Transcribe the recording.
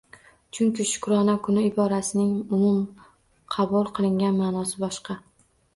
Chunki Shukrona kuni iborasining umum qabul qilingan maʼnosi boshqa